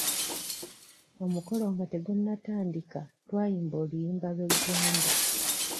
Omukolo nga tegunatandika twayimba oluyimba lw'eggwanga.